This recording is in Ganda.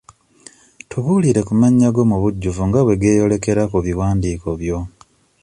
Tubuulire ku mannya go mu bujjuvu nga bwe geeyolerekera ku biwandiiko byo.